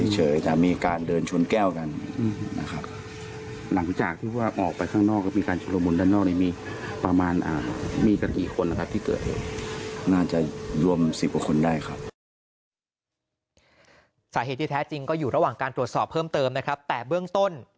สาเหตุที่แท้จริงก็อยู่ระหว่างการตรวจสอบเพิ่มเติมนะครับแต่เบื้องต้น